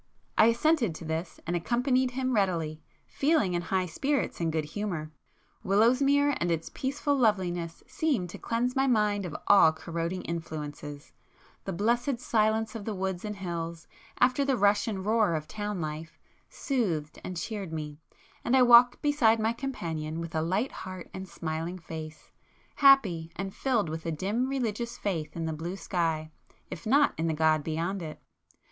I assented to this, and accompanied him readily, feeling in high spirits and good humour. Willowsmere and its peaceful loveliness seemed to cleanse my mind of all corroding influences;—the blessed silence of the woods and hills, after the rush and roar of town life, soothed and cheered me, and I walked beside my companion with a light heart and smiling face,—happy, and filled with a dim religious faith in the blue sky, if not in the God beyond it.